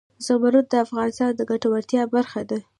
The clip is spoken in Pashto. زمرد د افغانانو د ګټورتیا برخه ده.